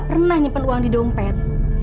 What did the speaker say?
saya nyimpen uang di dompet